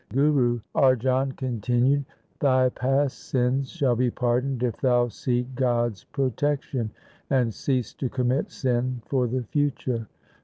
1 Guru Arjan continued —' Thy past sins shall be pardoned if thou seek God's protection, and cease to commit sin for the future.